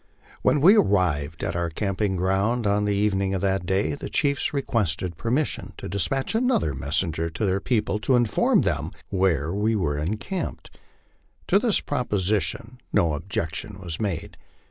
When we arrived at our camping ground, on the even ing of that day, the chiefs requested permission to despatch another messen ger to their people to inform them where we were encamped. To this propo sition no objection was made.